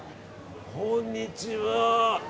こんにちは。